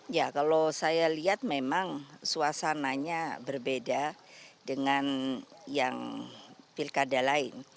ya kalau saya lihat memang suasananya berbeda dengan yang pilkada lain